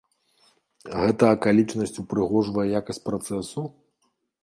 Гэта акалічнасць упрыгожвае якасць працэсу?